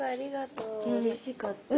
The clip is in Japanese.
うれしかったね。